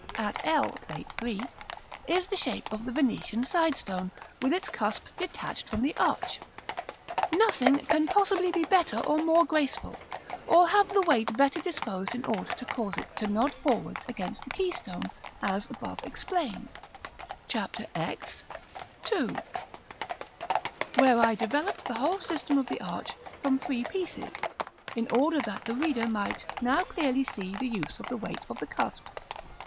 At l (Plate III.) is the shape of the Venetian side stone, with its cusp detached from the arch. Nothing can possibly be better or more graceful, or have the weight better disposed in order to cause it to nod forwards against the keystone, as above explained, Ch. X. § II., where I developed the whole system of the arch from three pieces, in order that the reader might now clearly see the use of the weight of the cusp.